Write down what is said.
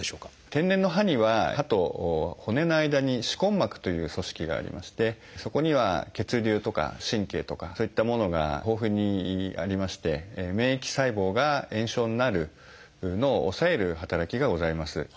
天然の歯には歯と骨の間に歯根膜という組織がありましてそこには血流とか神経とかそういったものが豊富にありまして免疫細胞が炎症になるのを抑える働きがございます。